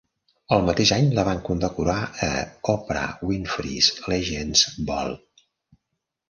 El mateix any la van condecorar a Oprah Winfrey's Legends Ball.